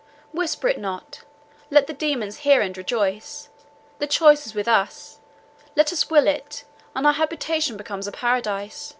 Whisper it not, let the demons hear and rejoice! The choice is with us; let us will it, and our habitation becomes a paradise.